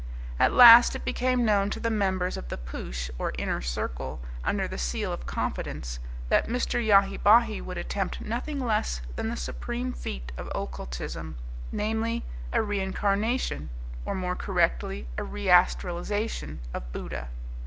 At last it became known to the members of the Poosh, or Inner Circle, under the seal of confidence, that Mr. Yahi Bahi would attempt nothing less than the supreme feat of occultism, namely, a reincarnation, or more correctly a reastralization of Buddha.